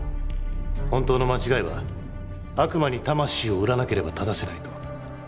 本当の間違いは悪魔に魂を売らなければ正せないと。